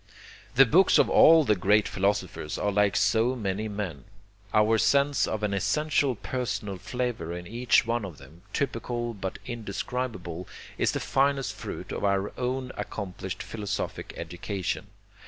The books of all the great philosophers are like so many men. Our sense of an essential personal flavor in each one of them, typical but indescribable, is the finest fruit of our own accomplished philosophic education.